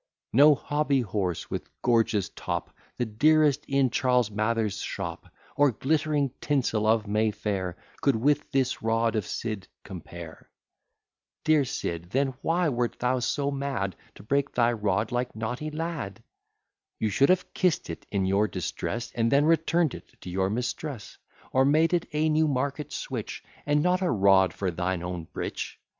No hobby horse, with gorgeous top, The dearest in Charles Mather's shop, Or glittering tinsel of May Fair, Could with this rod of Sid compare. Dear Sid, then why wert thou so mad To break thy rod like naughty lad? You should have kiss'd it in your distress, And then return'd it to your mistress; Or made it a Newmarket switch, And not a rod for thine own breech.